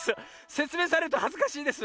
せつめいされるとはずかしいです。